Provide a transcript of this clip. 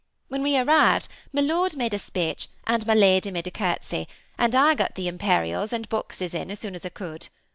When we arrived, my Lord made a speech, and my Lady made a courtesy ; and I got the imperials and boxes in as soon as I could.